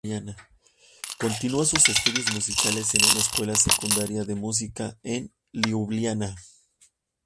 Continuó sus estudios musicales en una escuela secundaria de música en Liubliana.